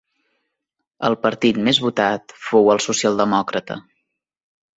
El partit més votat fou el socialdemòcrata.